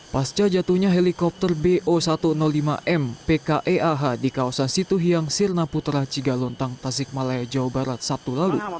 pasca jatuhnya helikopter bo satu ratus lima m pke ah di kawasan situhiang sirna putra cigalontang tasik malaya jawa barat sabtu lalu